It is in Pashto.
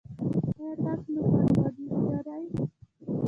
ایا تاسو نوکریوالي لرئ؟